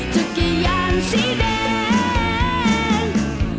จะกินอย่างสีแดง